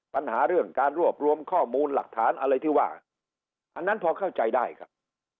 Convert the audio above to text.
ปัญหาเรื่องการรวบรวมข้อมูลหลักฐานอะไรที่ว่าอันนั้นพอเข้าใจได้ครับ